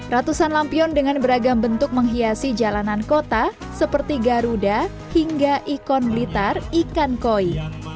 ratusan lampion dengan beragam bentuk menghiasi jalanan kota seperti garuda hingga ikon blitar ikan koi